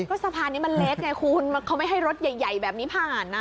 ก็สะพานนี้มันเล็กไงคุณเขาไม่ให้รถใหญ่แบบนี้ผ่านนะ